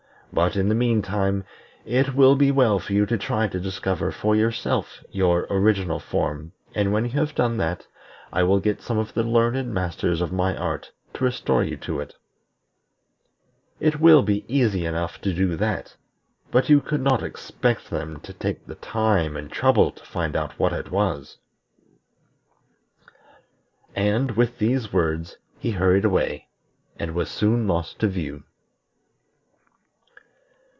But, in the meantime, it will be well for you to try to discover for yourself your original form, and when you have done that, I will get some of the learned masters of my art to restore you to it. It will be easy enough to do that, but you could not expect them to take the time and trouble to find out what it was." And, with these words, he hurried away, and was soon lost to view.